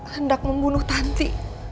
hendak membunuh tanti